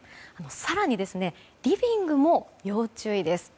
更に、リビングも要注意です。